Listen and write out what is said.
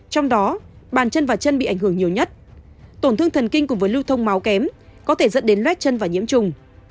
trong đó bàn chân và chân bị ảnh hưởng nhiều nhất tổn thương thần kinh cùng với lưu thông máu kém có thể dẫn đến luét chân và nhiễm trùng